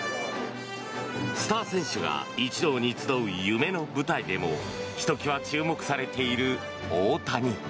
スター選手が一堂に集う夢の舞台でもひときわ注目されている大谷。